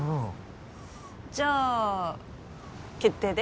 じゃあ決定で？